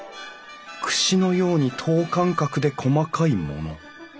くしのように等間隔で細かいもの。